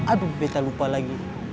aduh beta lupa lagi